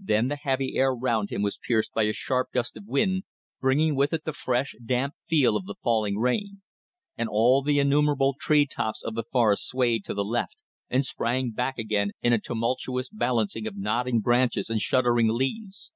Then the heavy air round him was pierced by a sharp gust of wind, bringing with it the fresh, damp feel of the falling rain; and all the innumerable tree tops of the forests swayed to the left and sprang back again in a tumultuous balancing of nodding branches and shuddering leaves.